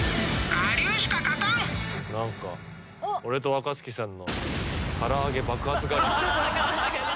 俺と若槻さんの唐揚げ爆発我流。